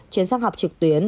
chuyển sang học trực tuyến